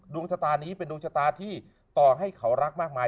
ดวงชะตานี้เป็นดวงชะตาที่ต่อให้เขารักมากมาย